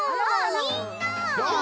みんな。